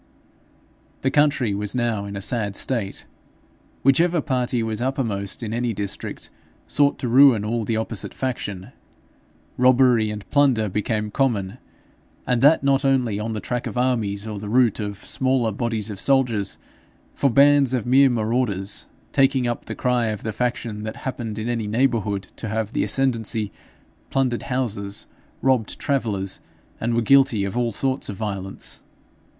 The country was now in a sad state. Whichever party was uppermost in any district, sought to ruin all of the opposite faction. Robbery and plunder became common, and that not only on the track of armies or the route of smaller bodies of soldiers, for bands of mere marauders, taking up the cry of the faction that happened in any neighbourhood to have the ascendancy, plundered houses, robbed travellers, and were guilty of all sorts of violence.